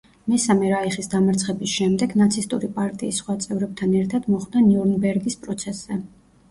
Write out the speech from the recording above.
მესამე რაიხის დამარცხების შემდეგ ნაცისტური პარტიის სხვა წევრებთან ერთად მოხვდა ნიურნბერგის პროცესზე.